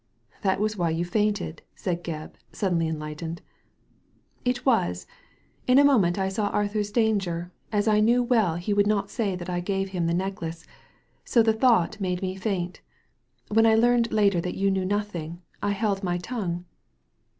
" That was why you fainted," said Gebb, suddenly enlightened " It was. In a moment I saw Arthur's danger, as I knew well he would not say that I gave him the necklace ; so the thought made me faint When I learned later that you knew nothing, I held my tongue."